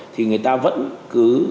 thì người ta vẫn cứ